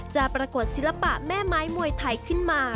จะปรากฏศิลปะแม่ไม้มวยไทยขึ้นมา